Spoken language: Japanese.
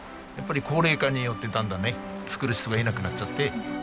やっぱり高齢化によってだんだんね作る人がいなくなっちゃって。